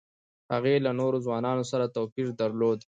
هغې له نورو ځوانانو سره توپیر درلود